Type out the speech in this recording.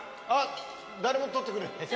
あっ誰も撮ってくれない。